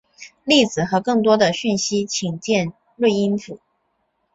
例子和更多的讯息请见锐音符。